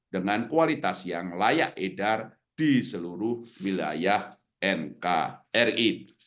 dengan kualitas yang layak edar di seluruh wilayah nkri